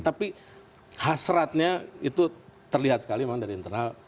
tapi hasratnya itu terlihat sekali memang dari internal